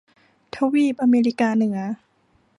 ทวีปอเมริกาเหนือ